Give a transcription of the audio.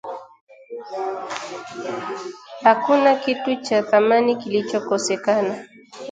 Hakuna kitu cha thamani kilichokosekana